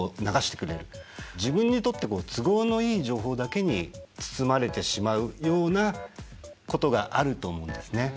自分にとって都合のいい情報だけに包まれてしまうようなことがあると思うんですね。